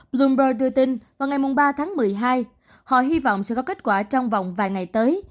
bloomberg đưa tin vào ngày ba tháng một mươi hai họ hy vọng sẽ có kết quả trong vòng vài ngày tới